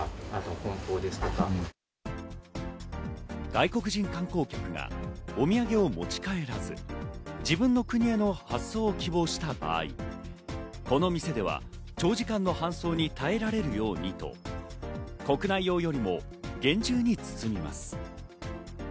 外国人観光客がお土産を持ち帰らず、自分の国への発送を希望した場合、この店では長時間の搬送に耐えられるようにと国内用よりも厳重に包みます。